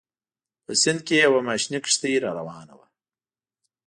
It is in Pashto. په سیند کې یوه ماشیني کښتۍ راروانه وه.